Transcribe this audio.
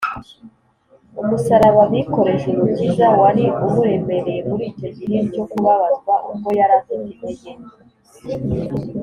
umusaraba bikoreje umukiza wari umuremereye muri icyo gihe cyo kubabazwa ubwo yari afite intege nke